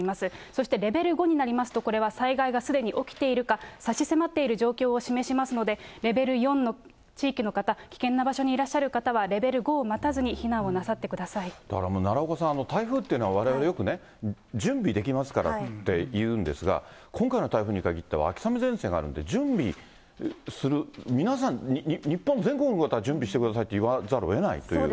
そしてレベル５になりますと、これは災害がすでに起きているか、差し迫っている状況を示しますので、レベル４の地域の方、危険な場所にいらっしゃる方はレベル５を待たずに避難をなさってだからもう奈良岡さん、台風っていうのは、われわれよくね、準備できますからっていうんですが、今回の台風に限っては秋雨前線があるんで、準備する、皆さん、日本全国の方、準備してくださいって言わざるをえないっていう。